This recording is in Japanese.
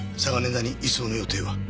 田に移送の予定は？